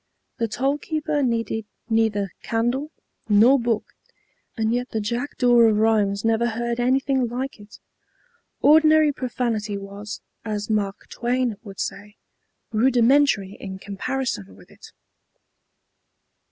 The toll keeper needed neither candle nor book, and yet the Jackdaw of Rheims never heard anything like it. Ordinary profanity was, as Mark Twain would say, "rudimentary" in comparison with it.